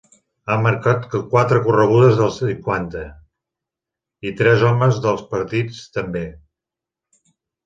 Ha marcat quatre corregudes de cinquanta i tres homes dels partits també.